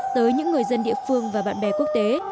tới những người dân địa phương và bạn bè quốc tế